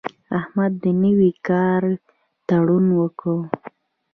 احمد د نوي کار تړون وکړ.